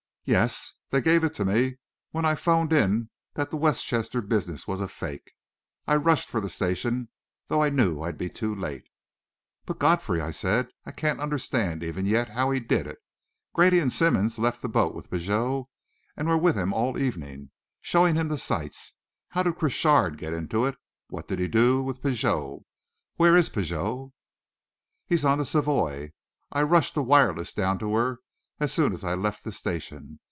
"Yes they gave it to me when I 'phoned in that the Westchester business was a fake. I rushed for the station, though I knew I'd be too late." "But, Godfrey," I said, "I can't understand, even yet, how he did it. Grady and Simmonds left the boat with Pigot and were with him all evening, showing him the sights. How did Crochard get into it? What did he do with Pigot? Where is Pigot?" "He's on the Savoie. I rushed a wireless down to her as soon as I left the station.